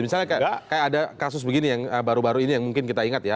misalnya kayak ada kasus begini yang baru baru ini yang mungkin kita ingat ya